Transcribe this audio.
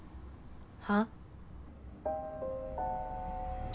は？